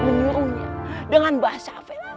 menyuruhnya dengan bahasa